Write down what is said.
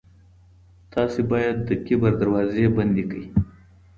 تاسي باید د کبر دروازې بندې کړئ.